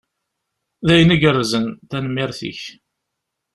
D ayen igerrzen. Tanemmirt-ik!